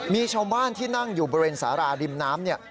มีชาวบ้านที่นั่งอยู่บริเวณสาราริมน้ำเนี่ย